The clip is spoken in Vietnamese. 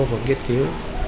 và nghiên cứu